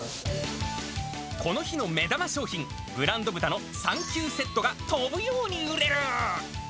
この日の目玉商品、ブランド豚のサンキューセットが飛ぶように売れる。